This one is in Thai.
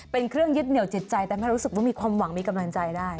เป็นเครื่องยึดเหนียวจิตใจทำให้รู้สึกว่ามีความหวังมีกำลังใจได้